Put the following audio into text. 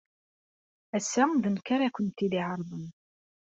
Ass-a, d nekk ara kent-id-iɛerḍen.